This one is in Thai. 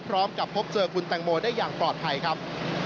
พร้อมกับพบเจอคุณแตงโมได้อย่างปลอดภัยครับ